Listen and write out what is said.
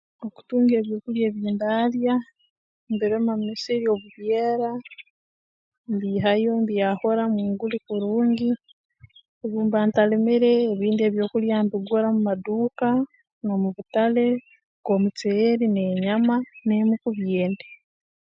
Okutunga ebyokulya ebindaalya mbirima mu misiri obu byera mbiihayo mbyahura mu nguli kurungi obu mba ntalimire ebindi ebyokulya mbigura mu maduuka n'omu butale nk'omuceeri n'enyama n'emikubi endi